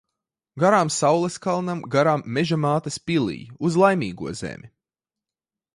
Garām saules kalnam, garām Meža mātes pilij. Uz Laimīgo zemi.